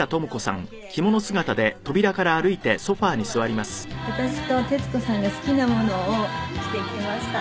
今日は私と徹子さんが好きなものを着てきました。